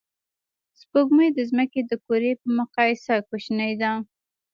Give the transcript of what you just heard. سپوږمۍ د ځمکې د کُرې په مقایسه کوچنۍ ده